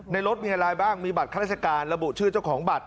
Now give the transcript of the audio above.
รถมีอะไรบ้างมีบัตรข้าราชการระบุชื่อเจ้าของบัตร